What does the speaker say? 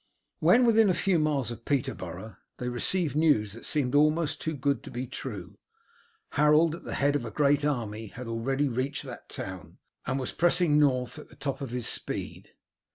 When within a few miles of Peterborough they received news that seemed almost too good to be true. Harold at the head of a great army had already reached that town, and was pressing north at the top of his speed.